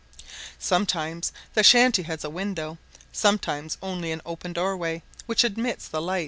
Sometimes the shanty has a window, sometimes only an open doorway, which admits the light and lets out the smoke*.